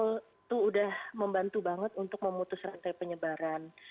itu udah membantu banget untuk memutus rantai penyebaran